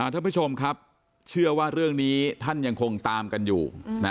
ท่านผู้ชมครับเชื่อว่าเรื่องนี้ท่านยังคงตามกันอยู่